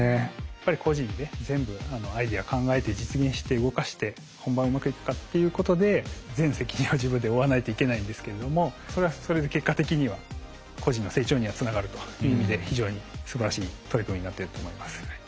やっぱり個人で全部アイデア考えて実現して動かして本番うまくいくかっていうことで全責任を自分で負わないといけないんですけれどもそれはそれで結果的には個人の成長にはつながるという意味で非常にすばらしい取り組みになっていると思います。